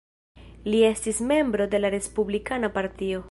Li estis membro de la Respublikana Partio.